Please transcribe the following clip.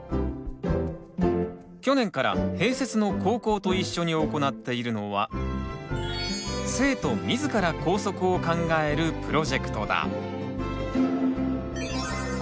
去年から併設の高校と一緒に行っているのは生徒自ら校則を考えるプロジェクトだ。